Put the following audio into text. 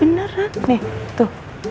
beneran nih tuh